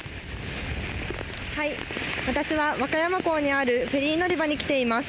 はい、私は和歌山港にあるフェリー乗り場に来ています。